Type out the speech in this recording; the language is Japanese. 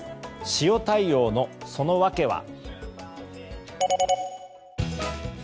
塩対応のその訳は。